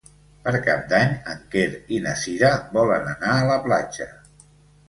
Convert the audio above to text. Per Cap d'Any en Quer i na Cira volen anar a la platja.